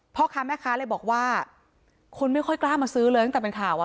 พ่อค้าแม่ค้าเลยบอกว่าคนไม่ค่อยกล้ามาซื้อเลยตั้งแต่เป็นข่าว